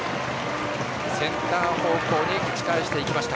センター方向に打ち返していきました。